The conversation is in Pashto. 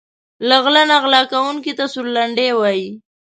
له غله نه غلا کونکي ته سورلنډی وايي.